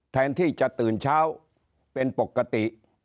แทนที่จะตื่นเช้าเป็นปกติ